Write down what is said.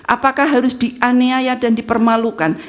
apakah harus dianiaya dan dipermalukan